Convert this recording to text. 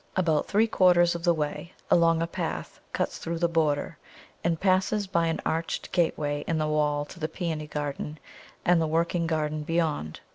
About three quarters of the way along a path cuts through the border, and passes by an arched gateway in the wall to the Pæony garden and the working garden beyond.